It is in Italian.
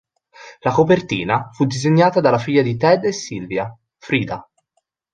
La copertina fu disegnata dalla figlia di Ted e Sylvia, Frieda.